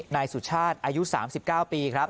นายสุชาติอายุ๓๙ปีครับ